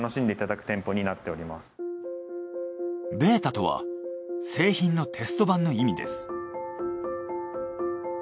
βとは製品のテスト版の意味です。